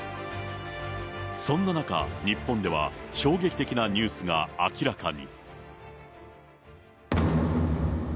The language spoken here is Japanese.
そんな中、日本では、衝撃的なニュースが明らかに。